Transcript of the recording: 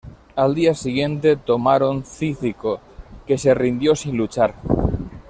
Al día siguiente, tomaron Cícico, que se rindió sin luchar.